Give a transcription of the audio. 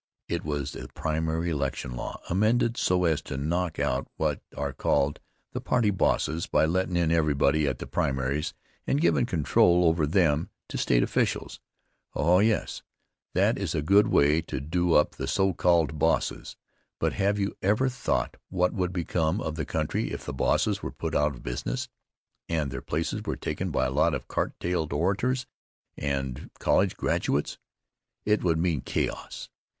It was the primary election law, amended so as to knock out what are called the party bosses by lettin' in everybody at the primaries and givin' control over them to state officials. Oh, yes, that is a good way to do up the so called bosses, but have you ever thought what would become of the country if the bosses were put out of business, and their places were taken by a lot of cart tail orators and college graduates? It would mean chaos.